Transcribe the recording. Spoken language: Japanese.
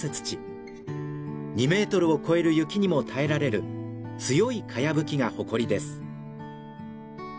２メートルを超える雪にも耐えられる強い茅葺が誇りです。